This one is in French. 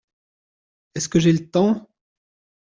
Est-ce que j’ai le temps !